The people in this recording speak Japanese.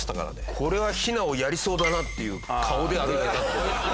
これはヒナをやりそうだなっていう顔で歩いてたって事ですよね。